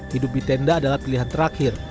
hidup di tenda adalah pilihan terakhir